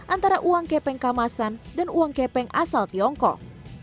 antara uang kepeng kamasan dan uang kepeng asal tiongkok